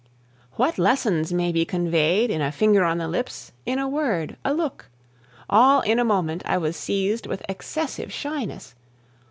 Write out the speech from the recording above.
What lessons may be conveyed in a finger on the lips, in a word, a look! All in a moment I was seized with excessive shyness.